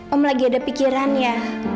om lagi ada pikiran ya